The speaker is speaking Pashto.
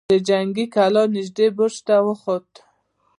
د جنګي کلا نږدې برج ته وخوت.